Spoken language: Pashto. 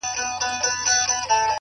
• پر کهاله باندي یې زېری د اجل سي,